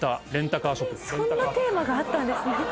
そんなテーマあったんですね。